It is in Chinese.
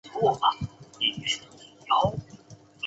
乡试是科举考试中的地方考试。